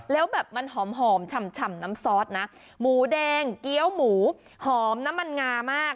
แล้วแบบมันหอมฉ่ำน้ำซอสนะหมูแดงเกี้ยวหมูหอมน้ำมันงามาก